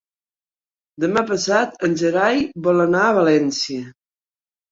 Demà passat en Gerai vol anar a València.